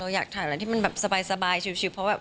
อยากถ่ายอะไรที่มันแบบสบายชิวเพราะว่า